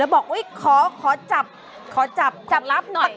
แล้วบอกคอจับของลับหน่อย